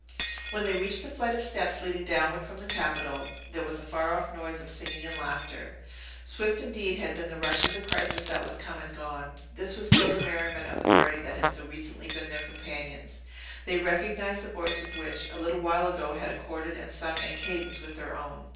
When they reached the flight of steps leading downward from the Capitol, there was a faroff noise of singing and laughter. Swift, indeed, had been the rush of the crisis that was come and gone! This was still the merriment of the party that had so recently been their companions. They recognized the voices which, a little while ago, had accorded and sung in cadence with their own.